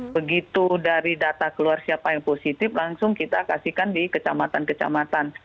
begitu dari data keluar siapa yang positif langsung kita kasihkan di kecamatan kecamatan